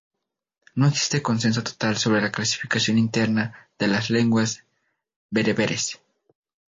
No existe consenso total sobre la clasificación interna de las lenguas bereberes.